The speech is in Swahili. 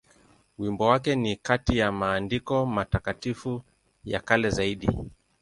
Wimbo wake ni kati ya maandiko matakatifu ya kale zaidi.